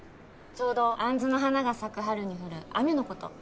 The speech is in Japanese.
ちょうど杏の花が咲く春に降る雨のこと